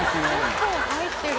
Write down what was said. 結構入ってる。